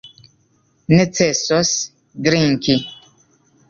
Necesos drinki.